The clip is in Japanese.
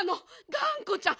がんこちゃん。